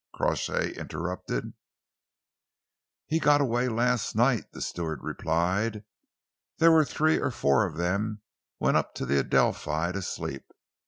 Crawshay interrupted. "He got away last night," the steward replied. "There were three or four of them went up to the Adelphi to sleep.